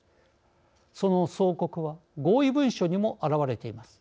その相克は合意文書にも表れています。